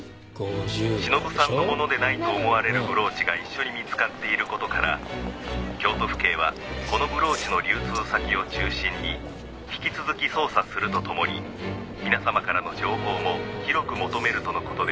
「忍さんのものでないと思われるブローチが一緒に見つかっている事から京都府警はこのブローチの流通先を中心に引き続き捜査するとともに皆様からの情報も広く求めるとの事です」